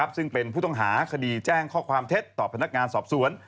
ซึ่งเป็นผู้ต้องหาคดีแจ้งข้อความเท็จต่อพนักงานสอบสวน